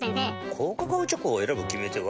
高カカオチョコを選ぶ決め手は？